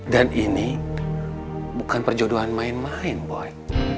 ini bukan perjodohan main main boy